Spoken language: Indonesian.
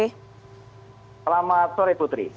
selamat sore putri